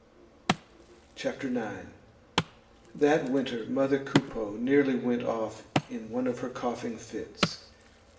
CHAPTER IX That winter mother Coupeau nearly went off in one of her coughing fits.